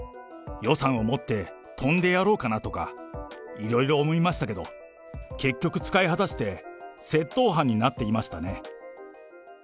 予算を持って飛んでやろうかなとか、いろいろ思いましたけど、結局、使い果たして窃盗犯になっていましたね。